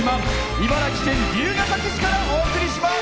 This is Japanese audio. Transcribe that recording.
茨城県龍ケ崎市からお送りします。